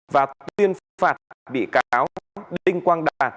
và tuyên phạt bị cáo đinh quang đạt